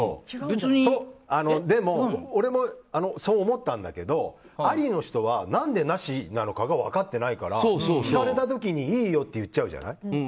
でも、俺もそう思ったんだけどありの人は、何でなしなのかが分かってないから聞かれた時に、いいよって言っちゃうじゃない。